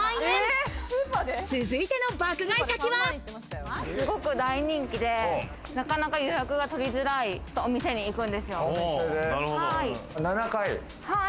すごく大人気で、なかなか予約が取りづらいお店に行くんですよ。